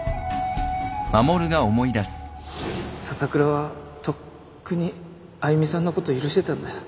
笹倉はとっくにあゆみさんのこと許してたんだよ